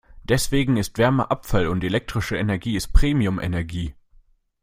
Deswegen ist Wärme Abfall und elektrische Energie ist Premium-Energie.